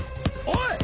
おい！